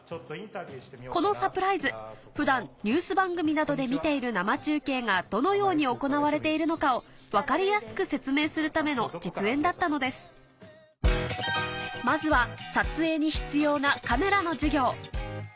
このサプライズ普段ニュース番組などで見ている生中継がどのように行われているのかを分かりやすく説明するための実演だったのですまずは撮影に必要なカメラの授業